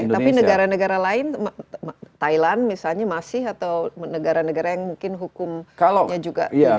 tapi negara negara lain thailand misalnya masih atau negara negara yang mungkin hukumnya juga tidak